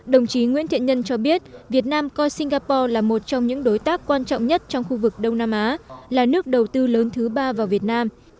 đồng chí nguyễn thiện nhân cho biết việt nam coi singapore là một trong những đối tác quan trọng nhất trong khu vực đông nam á là nước đầu tư lớn thứ ba vào việt nam